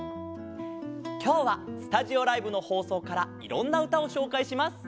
きょうはスタジオライブのほうそうからいろんなうたをしょうかいします。